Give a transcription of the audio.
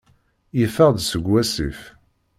Yeffeɣ-d seg wasif.